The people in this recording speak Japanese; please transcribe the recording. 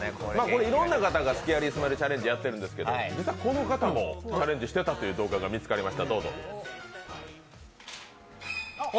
いろんな方がスケアリースマイルチャレンジをやってるんですけど、実はこの方もチャレンジしていたという動画が見つかりました。